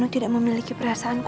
kathryn itu mereka lebih baik